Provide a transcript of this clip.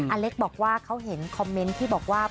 อเล็กบอกว่าเขาเห็นคอมเมนต์ที่บอกว่า